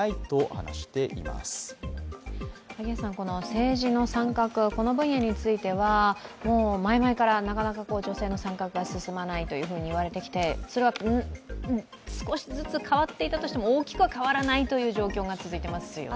政治の参画、この分野については前々からなかなか女性の参画が進まないと言われてきて、それは少しずつ変わっていたとしても大きく変わらないという状況が続いていますよね。